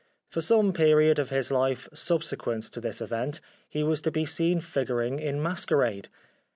For some period of his life subsequent to this event he was to be seen figuring in masquerade.